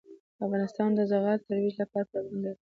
افغانستان د زغال د ترویج لپاره پروګرامونه لري.